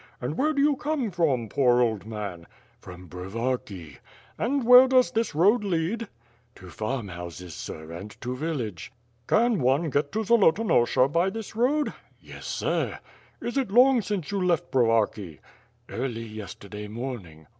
"And where do you come from, poor old man?" "P>om Brovarki." "And where does this road lead?" WlfH PlitS AND SWORD, 255 "To farm houses, sir, and to village. ...'* "Can one get to Zolotonosha by this road?'' "Yes, sir/' "Is it long since you left Brovarki?" "Early yesterday morning."